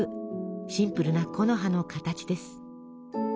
シンプルな木の葉の形です。